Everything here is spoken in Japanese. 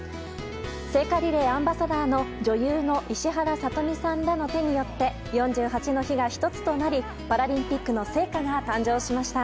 聖火リレーアンバサダーの女優の石原さとみさんらの手によって４８の火が１つとなりパラリンピックの聖火が誕生しました。